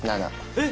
えっ！